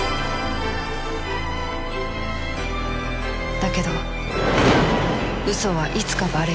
だけど嘘はいつかバレる